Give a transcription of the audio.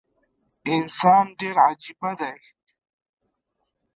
انسان ډیر عجیبه دي